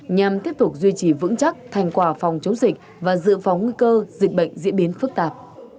nhằm tiếp tục duy trì vững chắc thành quả phòng chống dịch và dự phòng nguy cơ dịch bệnh diễn biến phức tạp